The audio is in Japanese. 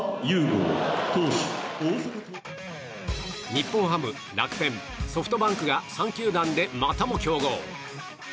日本ハム、楽天ソフトバンクが３球団でまたも競合。